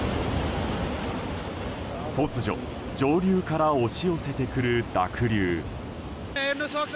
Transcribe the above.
突如上流から押し寄せてくる濁流。